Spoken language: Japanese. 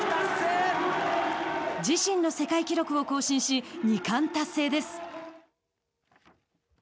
自身の世界記録を更新し二冠達成です。